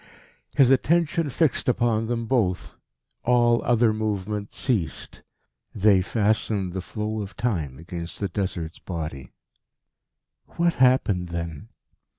His attention fixed upon them both. All other movement ceased. They fastened the flow of Time against the Desert's body. What happened then?